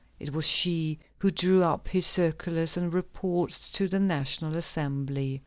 It was she who drew up his circulars and reports to the National Assembly.